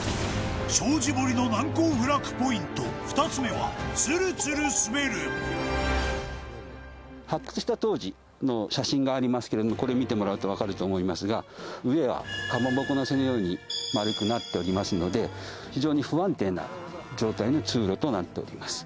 障子堀の難攻不落ポイント２つ目は、ツルツル滑る発掘した当時の写真がありますけれどもこれ見てもらうとわかると思いますが上は、かまぼこの背のように丸くなっておりますので非常に不安定な状態の通路となっております。